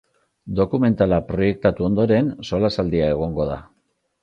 Dokumentala proiektatu ondoren solasaldia egongo da.